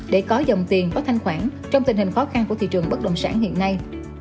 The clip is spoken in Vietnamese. để có dòng tiền có thanh khoản trong tình hình khó khăn của thị trường bất động sản hiện nay